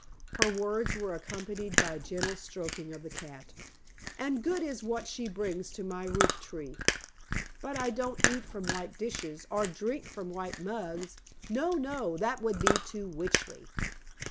Her words were accompanied by a gentle stroking of the cat. "And good is what she brings to my roof tree. But I don't eat from white dishes, or drink from white mugs. No! No! That would be too witchly."